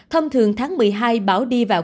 thông thường tháng một mươi hai bão đi vào